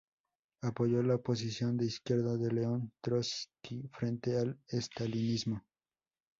Apoyó a la Oposición de izquierda de León Trotsky frente al estalinismo.